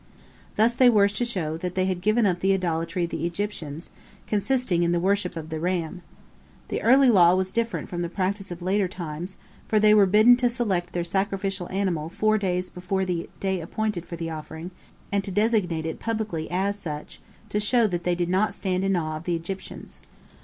Thus they were to show that they had given up the idolatry of the Egyptians, consisting in the worship of the ram. The early law was different from the practice of later times, for they were bidden to select their sacrificial animal four days before the day appointed for the offering, and to designate it publicly as such, to show that they did not stand in awe of the Egyptians.